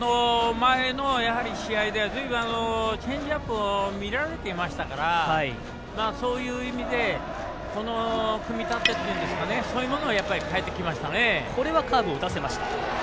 前の試合ではずいぶんチェンジアップを見られていましたからそういう意味で組み立てというんですかねそういうものを変えてきましたね。